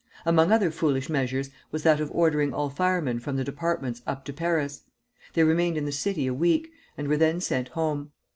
Among other foolish measures was that of ordering all firemen from the departments up to Paris. They remained in the city a week, and were then sent home.